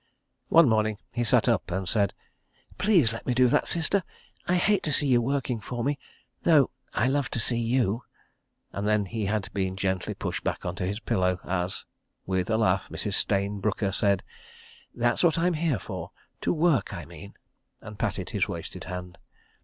One morning he sat up and said: "Please let me do that, Sister—I hate to see you working for me—though I love to see you ..." and then had been gently pushed back on to his pillow as, with a laugh, Mrs. Stayne Brooker said: "That's what I'm here for—to work I mean," and patted his wasted hand.